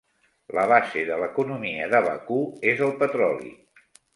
La base de l'economia de Bakú és el petroli.